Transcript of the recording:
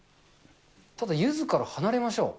ただ、ゆずから離れましょう。